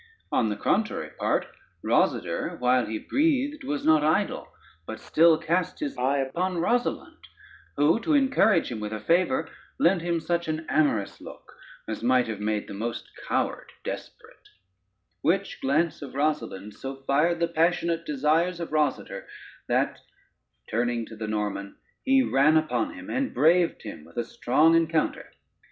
On the contrary part, Rosader while he breathed was not idle, but still cast his eye upon Rosalynde, who to encourage him with a favor, lent him such an amorous look, as might have made the most coward desperate: which glance of Rosalynde so fired the passionate desires of Rosader, that turning to the Norman he ran upon him and braved him with a strong encounter.